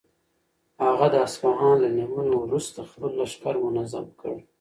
هغه د اصفهان له نیولو وروسته خپل لښکر منظم کړ.